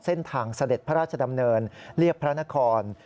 เส้นทางเสด็จพระราชดำเนินเรียบพระนคร